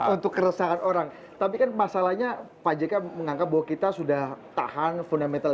untuk keresahan orang tapi kan masalahnya pak jk menganggap bahwa kita sudah tahan fundamental